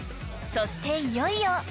［そしていよいよ］